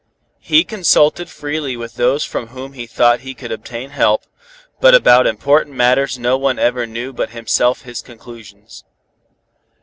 He consulted freely with those from whom he thought he could obtain help, but about important matters no one ever knew but himself his conclusions.